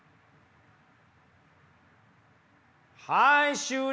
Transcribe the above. はい終了。